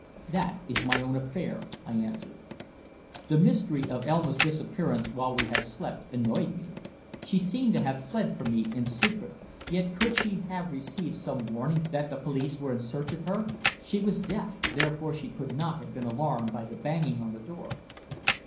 "That is my own affair," I answered. The mystery of Elma's disappearance while we had slept annoyed me. She seemed to have fled from me in secret. Yet could she have received some warning that the police were in search of her? She was deaf, therefore she could not have been alarmed by the banging on the door.